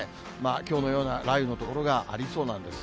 きょうのような雷雨の所がありそうなんです。